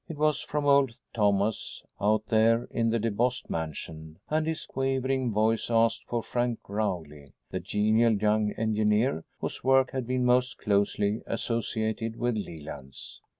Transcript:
It was from old Thomas, out there in the DeBost mansion, and his quavering voice asked for Frank Rowley, the genial young engineer whose work had been most closely associated with Leland's.